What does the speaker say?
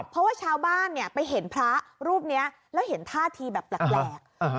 เพราะว่าชาวบ้านไปเห็นพระรูปนี้แล้วเห็นท่าทีแบบแปลก